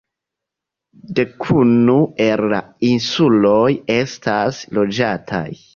Dekunu el la insuloj estas loĝataj.